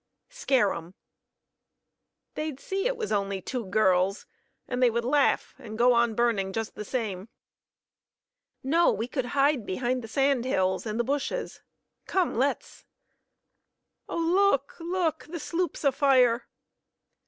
"Scare 'em." "They'd see it was only two girls, and they would laugh and go on burning just the same." "No. We could hide behind the sand hills and the bushes. Come, let's " "Oh, look! look! The sloop's afire!"